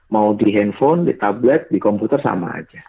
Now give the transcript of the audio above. mau di handphone di tablet di komputer sama aja